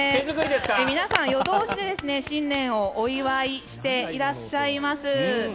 皆さん夜通しで、新年をお祝いしていらっしゃいます。